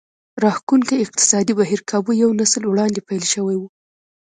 راښکوونکی اقتصادي بهير کابو یو نسل وړاندې پیل شوی و